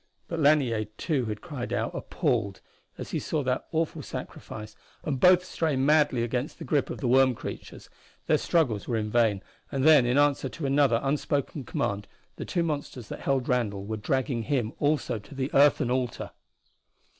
But Lanier too had cried out, appalled, as he saw that awful sacrifice, and both strained madly against the grip of the worm creatures. Their struggles were in vain, and then in answer to another unspoken command the two monsters that held Randall were dragging him also to the earthen altar!